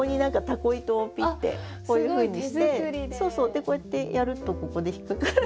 でこうやってやるとここで引っ掛かるので。